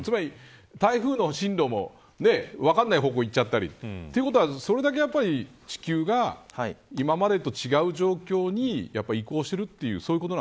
台風の進路も分からない方向に行っちゃったりということは、それだけ地球が今までと違う状況に移行しているということ